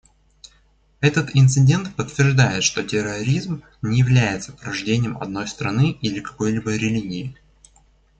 Этот инцидент подтверждает, что терроризм не является порождением одной страны или какой-либо религии.